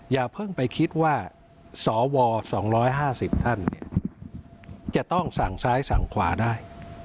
อย่าเพิ่งไปคิดว่าสว๒๕๐ท่านจะต้องสั่งซ้ายสั่งขวาได้